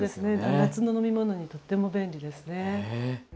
夏の飲み物にとっても便利ですね。